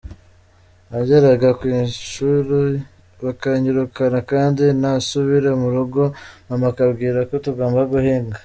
Nageraga ku ishuli bakanyirukana kandi nasubira mu rugo mama akambwira ko tugomba guhinga”.